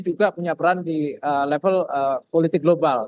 juga punya peran di level politik global